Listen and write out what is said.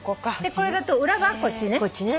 これだと裏がこっちね。